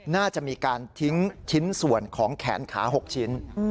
น่าจะมีการทิ้งชิ้นส่วนของแขนขา๖ชิ้น